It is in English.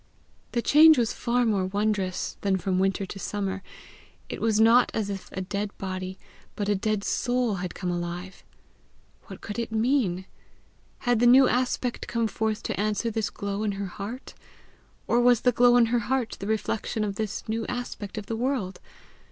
The change was far more wondrous than from winter to summer; it was not as if a dead body, but a dead soul had come alive. What could it mean? Had the new aspect come forth to answer this glow in her heart, or was the glow in her heart the reflection of this new aspect of the world?